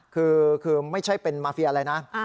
คือไม่ใช่เป็นมาเฟียอะไรนะ